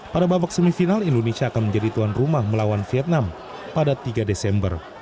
pada babak semifinal indonesia akan menjadi tuan rumah melawan vietnam pada tiga desember